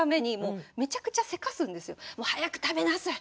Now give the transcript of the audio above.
「もう早く食べなさい！